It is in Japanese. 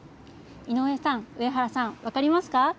井上さん、上原さん分かりますか。